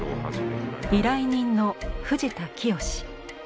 依頼人の藤田清。